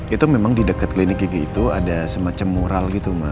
itu memang di dekat klinik gigi itu ada semacam mural gitu mbak